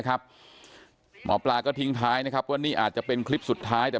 หมอปลาก็ทิ้งท้ายนะครับว่านี่อาจจะเป็นคลิปสุดท้ายแต่